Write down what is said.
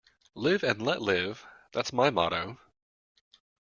Live and let live, that's my motto.